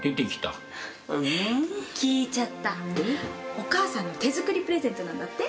お母さんの手作りプレゼントなんだって？